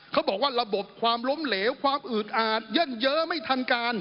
เขาบอกว่าระบบความล้มเหลวความอืดอาจเย่นเยอะไม่ทันการ